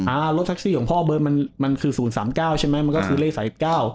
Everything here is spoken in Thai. อ่ารถแท็กซี่ของพ่อเบอร์มันคือ๐๓๙ใช่ไหมมันก็คือเลข๓๙